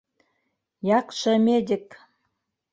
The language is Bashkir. Яҡшы медик.